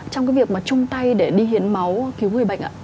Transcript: trong cái việc mà chung tay để đi hiến máu cứu người bệnh ạ